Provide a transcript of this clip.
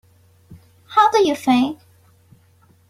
How do you think?